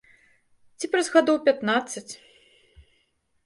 Ці праз гадоў пятнаццаць?